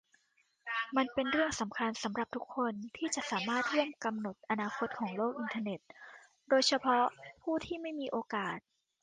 มันเป็นเรื่องสำคัญสำหรับทุกคนที่จะสามารถร่วมกำหนดอนาคตของโลกอินเทอร์เน็ต โดยเฉพาะผู้ที่ไม่มีโอกาส